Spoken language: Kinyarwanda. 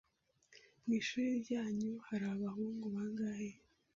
Mu ishuri ryanyu hari abahungu bangahe?